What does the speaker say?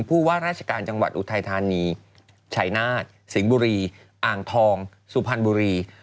ผู้ว่าราชการจังหวัดอุทัยธานีชัยนาฏสิงห์บุรีอ่างทองสุพรรณบุรี